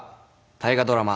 大河ドラマ